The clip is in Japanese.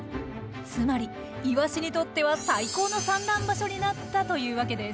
つまりイワシにとっては最高の産卵場所になったというわけです。